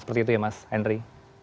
seperti itu ya mas henry